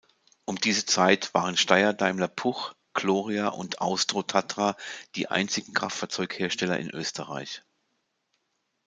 Um diese Zeit waren Steyr-Daimler-Puch, Gloria und Austro-Tatra die einzigen Kraftfahrzeughersteller in Österreich.